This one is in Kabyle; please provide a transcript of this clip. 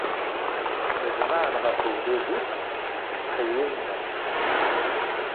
Ttnejmaɛen ɣef ugdud-ik, ttḥeyyilen-as.